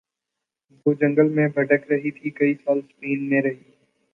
وہ جنگل میں بھٹک رہی تھی کئی سال سپین میں رہیں